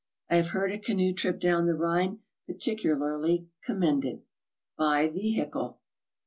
I have heard a canoe trip down the Rhine particularly commended. BY VEHICLE.